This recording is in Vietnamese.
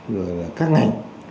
rồi là các ngành